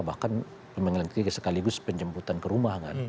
bahkan pemanggilan ketiga sekaligus penjemputan ke rumah kan